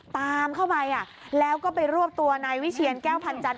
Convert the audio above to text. ตามเข้าไปแล้วก็ไปรวบตัวนายวิเชียนแก้วพันจันท